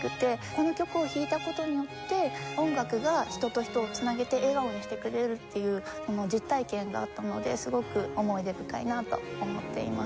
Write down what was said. この曲を弾いた事によって音楽が人と人を繋げて笑顔にしてくれるっていう実体験があったのですごく思い出深いなと思っています。